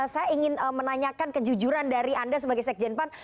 saya ingin menanyakan kejujuran dari anda sebagai sekjen pan